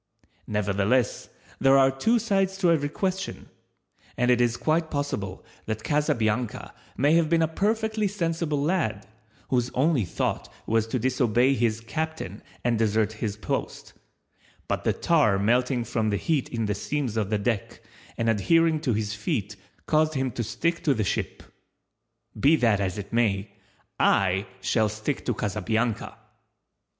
Nevertheless there are two sides to every question, and it is quite possible that Casabianca may have been a perfectly sensible lad, whose only thought was to disobey his captain and desert his post, but the tar melting from the heat in the seams of the deck, and adhering to his feet caused him to stick to the ship. Be that as it may, I shall stick to Casabianca!